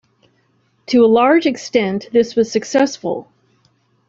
To a large extent, this was successful.